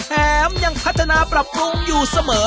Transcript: แถมยังพัฒนาปรับปรุงอยู่เสมอ